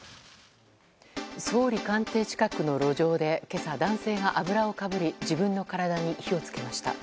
総理官邸近くの路上で今朝、男性が油をかぶり自分の体に火を付けました。